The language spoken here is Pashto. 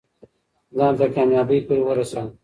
ځان تر کامیابۍ پورې ورسوه.